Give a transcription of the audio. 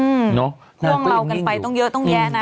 อืมพ่อเมากันไปตรงเยอะตรงแยะนะ